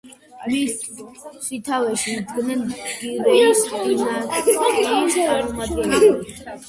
მის სათავეში იდგნენ გირეის დინასტიის წარმომადგენლები.